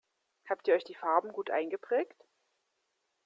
Habt ihr euch die Farben gut eingeprägt?